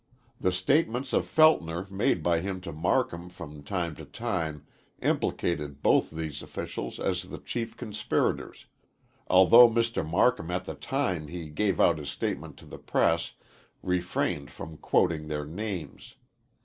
The statements of Feltner made by him to Marcum from time to time implicated both these officials as the chief conspirators, although Mr. Marcum at the time he gave out his statement to the press, refrained from quoting their names.